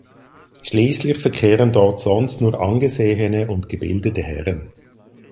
Schließlich verkehren dort sonst nur angesehene und gebildete Herren.